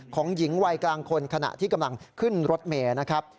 หญิงวัยกลางคนขณะที่กำลังขึ้นรถเมย์นะครับ